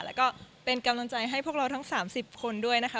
แล้วก็เป็นกำลังใจให้พวกเราทั้ง๓๐คนด้วยนะคะ